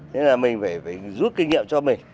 nên là mình phải rút kinh nghiệm cho mình